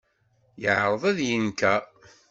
Yeɛreḍ ad d-yenker.